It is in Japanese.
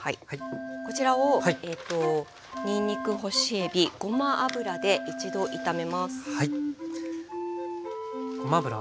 こちらをにんにく干しえびごま油で一度炒めます。